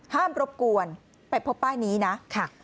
ห้ามปรบกวนไปพบป้ายนี้นะ